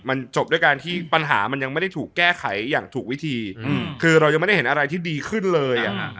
มันจบด้วยการที่ปัญหามันยังไม่ได้ถูกแก้ไขอย่างถูกวิธีคือเรายังไม่ได้เห็นอะไรที่ดีขึ้นเลย